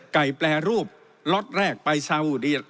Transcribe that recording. ไก่แปลรูปล็อตแรกไปซาวุดอีก